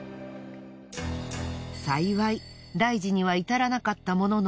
幸い大事には至らなかったものの。